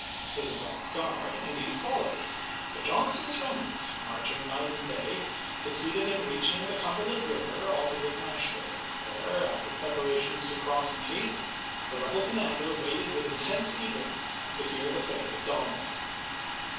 His advance guard, indeed, followed ; but John ston's remnant, marching night and day, succeeded in reaching the Cumberland River opposite Nash ville, where, after preparations to cross in haste, the rebel commander waited with intense eager ness to hear the fate of Donelson.